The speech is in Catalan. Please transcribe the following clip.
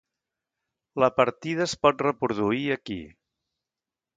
La partida es pot reproduir aquí.